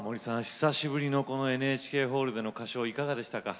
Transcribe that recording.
久しぶりのこのＮＨＫホールでの歌唱はいかがでしたか？